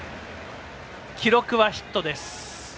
記録はヒットです。